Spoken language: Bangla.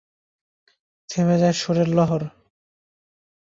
থেমে যায় সুরের লহর।